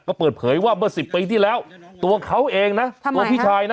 ก็เปิดเผยว่าเมื่อ๑๐ปีที่แล้วตัวเขาเองนะตัวพี่ชายนะ